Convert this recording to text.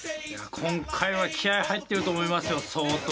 今回は気合い入ってると思いますよ相当。